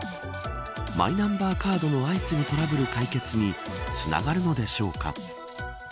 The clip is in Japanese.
マイナンバーカードの相次ぐトラブル解決につながるのでしょうか。